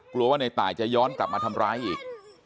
กลัวว่าในตายจะย้อนกลับมาทำร้ายอีก